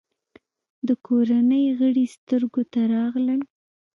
د کورنۍ غړي سترګو ته راغلل.